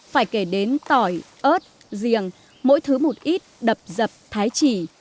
phải kể đến tỏi ớt giềng mỗi thứ một ít đập dập thái chỉ